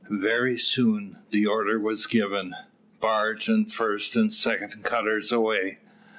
Very soon the order was given. "Barge and first and second cutters away!"